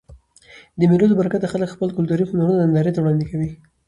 د مېلو له برکته خلک خپل کلتوري هنرونه نندارې ته وړاندي کوي.